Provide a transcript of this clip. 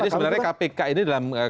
jadi sebenarnya kpk ini dalam